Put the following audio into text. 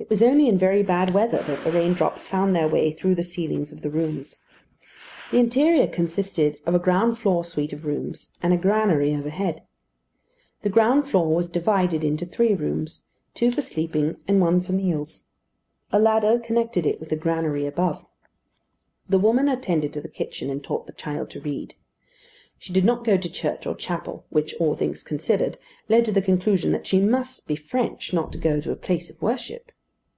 It was only in very bad weather that the rain drops found their way through the ceilings of the rooms. The interior consisted of a ground floor suite of rooms, and a granary overhead. The ground floor was divided into three rooms; two for sleeping, and one for meals. A ladder connected it with the granary above. The woman attended to the kitchen and taught the child to read. She did not go to church or chapel, which, all things considered, led to the conclusion that she must be French not to go to a place of worship.